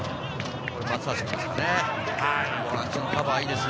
松橋君ですかね。